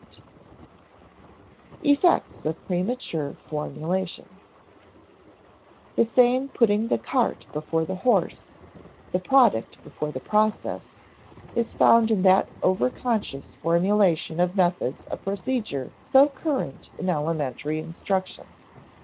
[Sidenote: Effects of premature formulation] The same putting the cart before the horse, the product before the process, is found in that overconscious formulation of methods of procedure so current in elementary instruction.